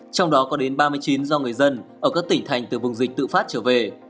trong đó có đến ba mươi chín do người dân ở các tỉnh thành từ vùng dịch tự phát trở về